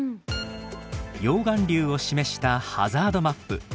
溶岩流を示したハザードマップ。